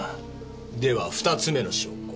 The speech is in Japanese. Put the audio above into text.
では２つ目の証拠。